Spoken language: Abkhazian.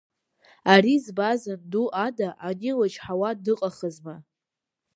Ари збаз анду Ада, ани лычҳауа дыҟахызма…